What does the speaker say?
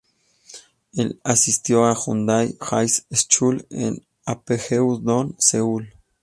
El asistió a Hyundai High School en Apgujeong-dong, Seúl.